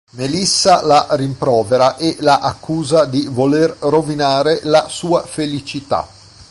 Melissa la rimprovera e la accusa di voler rovinare la sua felicità.